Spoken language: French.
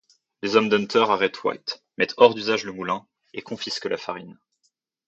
Les hommes d'Hunter arrêtent White, mettent hors d'usage le moulin, et confisquent la farine.